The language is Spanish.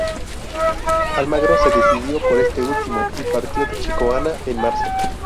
Almagro se decidió por este último y partió de Chicoana en marzo.